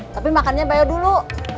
tapi makannya bayar dulu